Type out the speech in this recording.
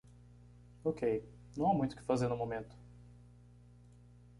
Ok,? não há muito o que fazer no momento.